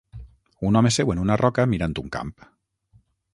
un home seu en una roca mirant un camp.